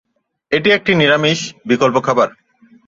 এটি একটি নিরামিষ বিকল্প খাবার।